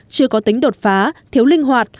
chưa có tính đột phá thiếu linh hoạt